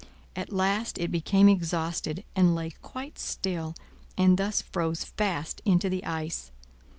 At last it became exhausted, and lay quite still, and thus froze fast into the ice.